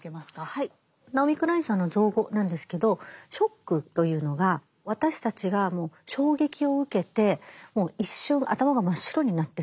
ナオミ・クラインさんの造語なんですけど「ショック」というのが私たちがもう衝撃を受けてもう一瞬頭が真っ白になってしまう。